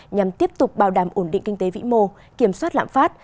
nhằm tiếp tục bảo đảm ổn định kinh tế vĩ mô kiểm soát lãm phát